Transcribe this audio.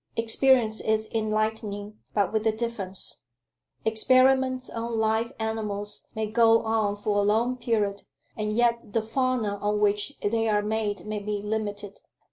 Experience is enlightening, but with a difference. Experiments on live animals may go on for a long period, and yet the fauna on which they are made may be limited.